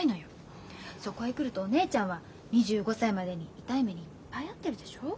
そこへ来るとお姉ちゃんは２５歳までに痛い目にいっぱい遭ってるでしょ？